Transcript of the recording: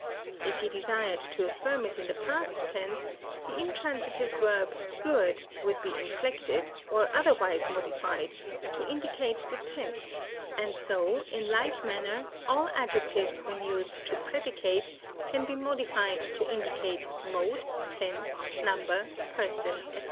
If he desired to affirm it in the past tense, the intransitive verb good, would be inflected, or otherwise modified, to indicate the tense; and so, in like manner, all adjectives when used to predicate can be modified to indicate mode, tense, number, person, &c.